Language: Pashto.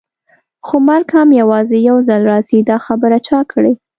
خو مرګ هم یوازې یو ځل راځي، دا خبره چا کړې؟